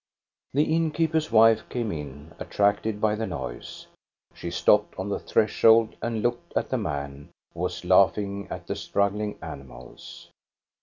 The innkeeper's wife came in, attracted by the noise. She stopped on the threshold and looked at the man, who was laughing at the struggling ani mals.